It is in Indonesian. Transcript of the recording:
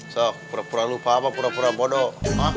sok pura pura lupa apa pura pura bodoh